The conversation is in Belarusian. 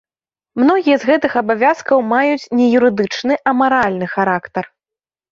Многія з гэтых абавязкаў маюць не юрыдычны, а маральны характар.